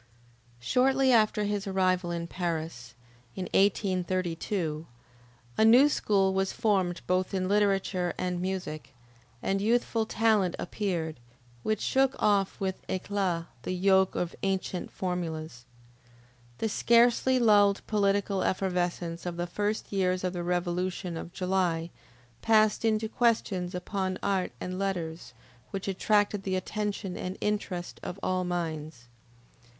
Shortly after his arrival in Paris, in 1832, a new school was formed both in literature and music, and youthful talent appeared, which shook off with eclat the yoke of ancient formulas. The scarcely lulled political effervescence of the first years of the revolution of July, passed into questions upon art and letters, which attracted the attention and interest of all minds.